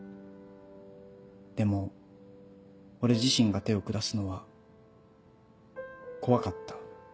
でも俺自身が手を下すのは怖かった。